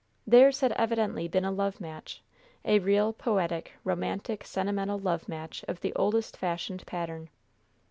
Theirs had evidently been a love match a real, poetic, romantic, sentimental love match of the oldest fashioned pattern.